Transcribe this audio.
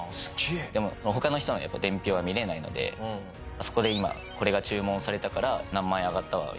でも他の人の伝票は見れないのでそこで今これが注文されたから何万円上がったわみたいな。